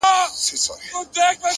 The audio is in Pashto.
خپل هدف ته وفادار پاتې شئ!.